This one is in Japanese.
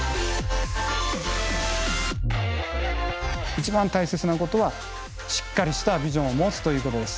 一番大切なことはしっかりしたビジョンを持つということです。